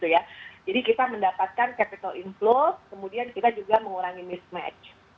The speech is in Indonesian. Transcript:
jadi kita mendapatkan capital inflow kemudian kita juga mengurangi mismatch